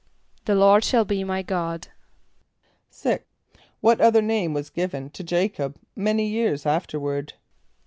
="The Lord shall be my God."= =6.= What other name was given to J[=a]´cob many years afterward?